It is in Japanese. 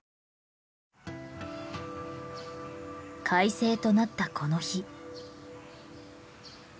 快晴となったこの日。